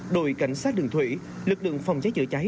đội cảnh sát đường thủy lực lượng phòng cháy chữa cháy